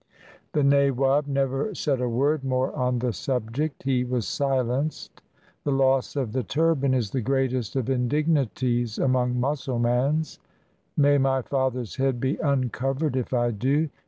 The nawab never said a word more on the subject. He was silenced. The loss of the turban is the greatest of indignities among Mussulmans. " May my father's head be uncovered, if I do!"